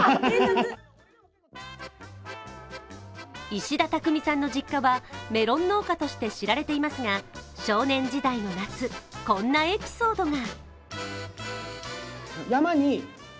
石田たくみさんの実家はメロン農家として知られていますが少年時代の夏、こんなエピソードが。